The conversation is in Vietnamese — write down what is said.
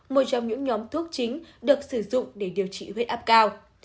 một trong những nhóm thuốc chính được sử dụng để điều trị huyết áp cao